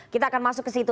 kita akan masuk ke situ